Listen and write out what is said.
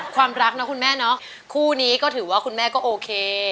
ความรักนะคุณแม่เนาะคู่นี้ก็ถือว่าคุณแม่ก็โอเค